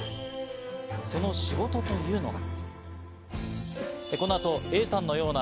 その仕事というのは。